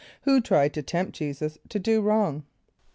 = Who tried to tempt J[=e]´[s+]us to do wrong?